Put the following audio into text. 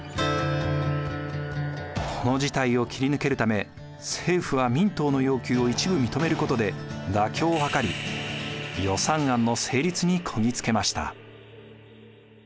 この事態を切り抜けるため政府は民党の要求を一部認めることで妥協を図り予算案の成立にこぎ着けました。